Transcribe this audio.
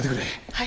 はい。